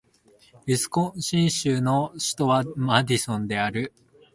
ウィスコンシン州の州都はマディソンである